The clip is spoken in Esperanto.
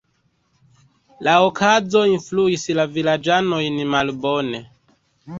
La okazo influis la vilaĝanojn malbone.